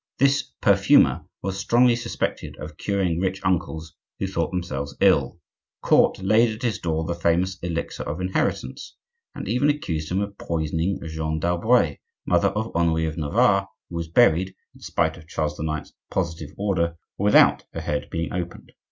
This perfumer was strongly suspected of curing rich uncles who thought themselves ill. The court laid at his door the famous "Elixir of Inheritance," and even accused him of poisoning Jeanne d'Albret, mother of Henri of Navarre, who was buried (in spite of Charles IX.'s positive order) without her head being opened.